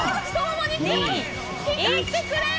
光ってくれー！